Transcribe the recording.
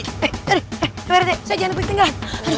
eh eh pak rt saya jangan lebih tinggal